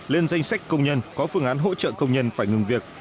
lên danh sách công nhân có phương án hỗ trợ công nhân phải ngừng việc